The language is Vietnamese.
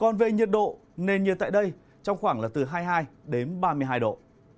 nên như tại đây trong khoảng là từ hai mươi hai ba mươi hai độ